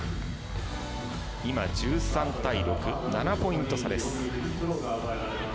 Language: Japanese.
今、１３対６７ポイント差です。